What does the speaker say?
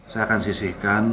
saya akan sisihkan